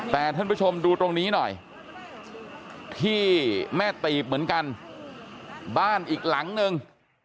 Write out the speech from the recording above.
แต่ท่านผู้ชมดูตรงนี้หน่อยที่แม่ตีบเหมือนกันบ้านอีกหลังนึง